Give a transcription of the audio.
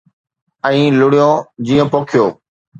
،۽ لڻيو جيئن پوکيو